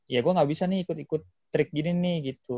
ya gue gak bisa nih ikut ikut trik gini nih gitu